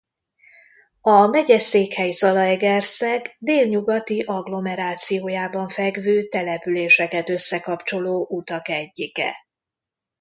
A megyeszékhely Zalaegerszeg délnyugati agglomerációjában fekvő településeket összekapcsoló utak egyike.